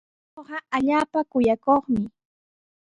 Kay allquuqa allaapa kuyakuqmi.